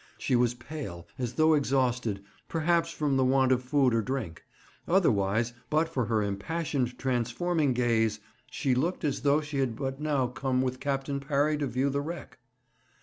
She was pale, as though exhausted, perhaps from the want of food or drink; otherwise, but for her impassioned transforming gaze, she looked as though she had but now come with Captain Parry to view the wreck.